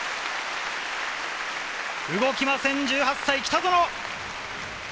動きません、１８歳・北園。